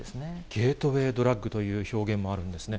ゲートウェイドラッグという表現もあるんですね。